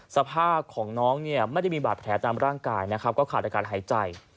สภาพของน้องเนี่ยไม่ได้มีบาดแผลตามร่างกายนะครับก็ขาดอากาศหายใจ